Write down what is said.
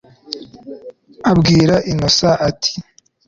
abwira Innocent ati…… ……